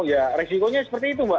ya resikonya seperti itu mbak